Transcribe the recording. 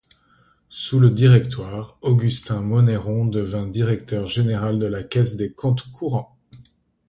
Sous le Directoire, Augustin Monneron devint Directeur Général de la Caisse des Comptes Courants.